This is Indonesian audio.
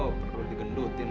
perlu digendutin lagi